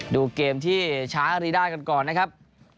ดูเกมที่ช้ารีด้าก่อนนะครับ